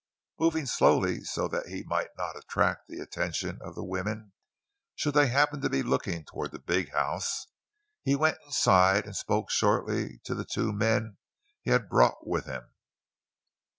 Moving slowly, so that he might not attract the attention of the women, should they happen to be looking toward the big house, he went inside and spoke shortly to the two men he had brought with him.